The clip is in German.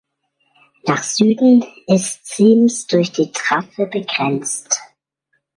Nach Süden ist Siems durch die Trave begrenzt.